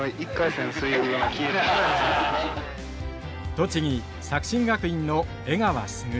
栃木作新学院の江川卓。